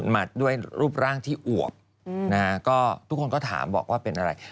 มาด้วยรูปร่างที่อวกทุกคนก็ถามว่าเป็นอะไร